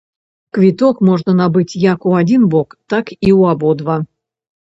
Квіток можна набыць як у адзін бок, так і ў абодва.